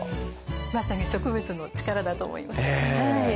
まさに植物の力だと思います。